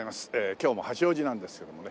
今日も八王子なんですけどもね